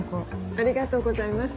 ありがとうございます。